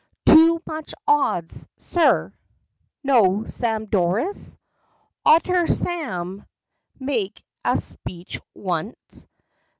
Too much odds, sir. Know Sam Dorus ?* O't ter hear Sam make a speech onct!